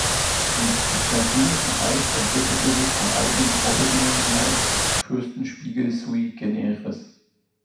Im Byzantinischen Reich entwickelte sich von eigenen Vorbedingungen her Fürstenspiegel sui generis.